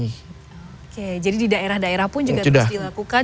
oke jadi di daerah daerah pun juga terus dilakukan